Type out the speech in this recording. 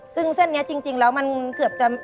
ซึ่งเส้นนี้จริงแล้วมันเกือบจะ